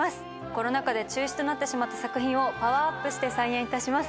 コロナ禍で中止となってしまった作品をパワーアップして再演いたします。